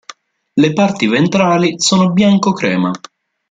Le parti ventrali sono bianco-crema.